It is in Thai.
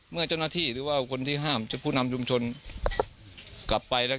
เมื่อเจ้าหน้าที่หรือว่าคนที่ห้ามผู้นำชุมชนกลับไปแล้ว